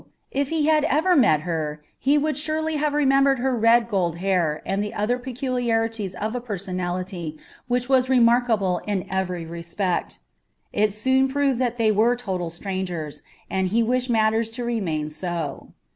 If he had ever met her, he would surely have remembered her red gold hair and the other peculiarities of a personality which was remarkable in every respect. It soon proved that they were total strangers, and he wished matters to remain so.